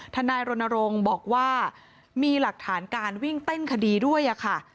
ทนายรณรงค์บอกว่ามีหลักฐานการวิ่งเต้นคดีด้วยค่ะ